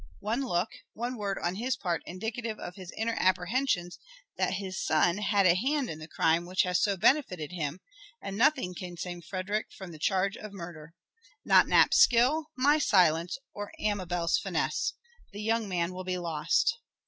One look, one word on his part indicative of his inner apprehensions that his son had a hand in the crime which has so benefited him, and nothing can save Frederick from the charge of murder. Not Knapp's skill, my silence, or Amabel's finesse. The young man will be lost."